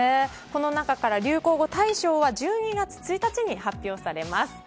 この中から流行語大賞は１２月１日に発表されます。